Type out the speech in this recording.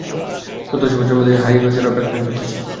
দত্ত সাহেবের জন্মদিন, হ্লায় ইমোশনালি ব্লাকমেইল করতেছে!